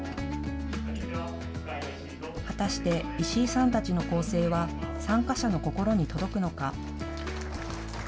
果たして、石井さんたちの構成は参加者の心に届くのか。